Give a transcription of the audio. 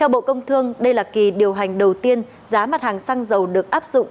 bộ công thương đây là kỳ điều hành đầu tiên giá mặt hàng xăng dầu được áp dụng